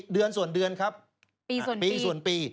เดือนส่วนเดือนครับปีส่วนปี